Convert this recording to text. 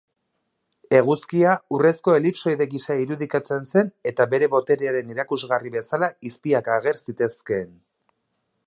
Eguzkia, urrezko elipsoide gisa irudikatzen zen eta bere boterearen erakusgarri bezala izpiak ager zitezkeen.